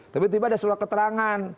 tapi tiba tiba ada sebuah keterangan